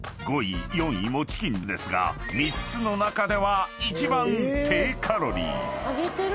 ［５位４位もチキンですが３つの中では一番低カロリー］